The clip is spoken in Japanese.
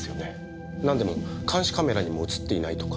なんでも監視カメラにも映っていないとか。